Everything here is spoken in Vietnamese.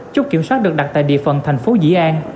chút kiểm soát được đặt tại địa phần thành phố dĩ an